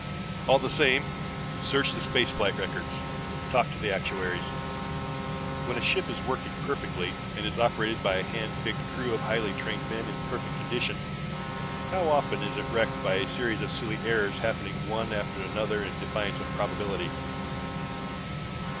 "All the same, search the space flight records, talk to the actuaries. When a ship is working perfectly and is operated by a hand picked crew of highly trained men in perfect condition, how often is it wrecked by a series of silly errors happening one after another in defiance of probability?